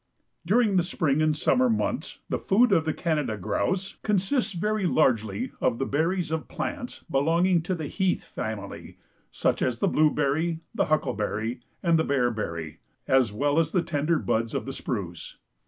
During the spring and summer months the food of the Canada Grouse consists very largely of the berries of plants belonging to the Heath family, such as the blueberry, the huckleberry and the bearberry, as well as the tender buds of the spruce.